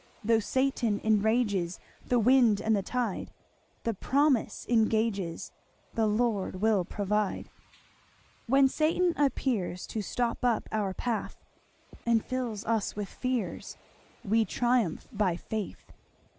Though Satan enrages The wind and the tide, The promise engages 'The Lord will provide.' "When Satan appears To stop up our path, And fills us with fears, We triumph by faith.